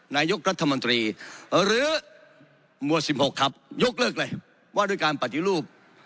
นายกรัฐมนตรีหรือหมวด๑๖ครับยกเลิกเลยว่าด้วยการปฏิรูป